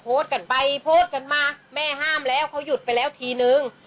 โพสต์กันไปโพสต์กันมาแม่ห้ามแล้วเขาหยุดไปแล้วทีนึง